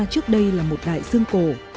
trước đây là một đại dương cổ